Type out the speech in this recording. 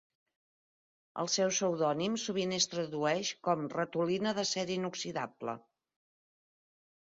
El seu pseudònim sovint es tradueix com "Ratolina d'acer inoxidable".